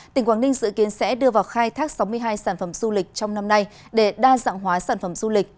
tỉnh quảng ninh dự kiến sẽ đưa vào khai thác sáu mươi hai sản phẩm du lịch trong năm nay để đa dạng hóa sản phẩm du lịch